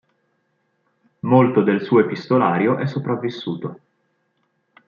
Molto del suo epistolario è sopravvissuto.